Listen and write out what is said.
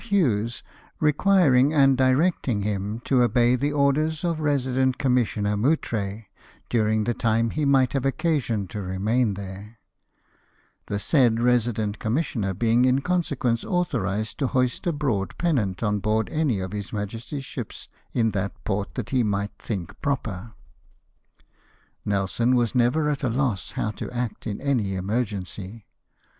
Hughes, requiring and directing him to obey the orders of Resident Commissioner Moutray, during the time he might have occasion to remain there ; the said resident commissioner being in consequence authorised to hoist a broad pennant on board any of His Majesty's ships in that port that he might think proper. Nelson was never at a loss how to act in any emergency.